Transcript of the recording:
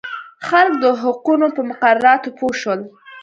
خلک د حقوقو په مقرراتو پوه شول.